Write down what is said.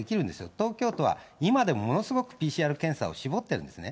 東京都は今でもものすごくＰＣＲ検査を絞ってるんですね。